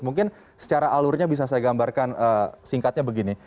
mungkin secara alurnya bisa saya gambarkan singkatnya begini